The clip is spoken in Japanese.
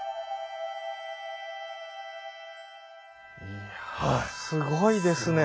いやすごいですね。